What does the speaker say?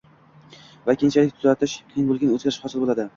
va keyinchalik tuzatish qiyin bo‘lgan o‘zgarish hosil bo‘ladi.